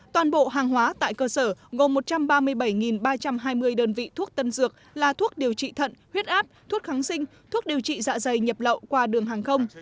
toàn bộ hàng hóa tại cơ sở gồm một trăm ba mươi bảy ba trăm hai mươi đơn vị thuốc tân dược là thuốc điều trị thận huyết áp thuốc kháng sinh thuốc điều trị dạ dày nhập lậu qua đường hàng không